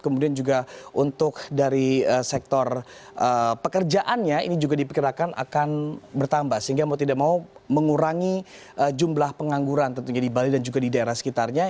kemudian juga untuk dari sektor pekerjaannya ini juga diperkirakan akan bertambah sehingga mau tidak mau mengurangi jumlah pengangguran tentunya di bali dan juga di daerah sekitarnya